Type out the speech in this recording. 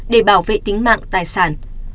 để bảo vệ tính mạng tài sản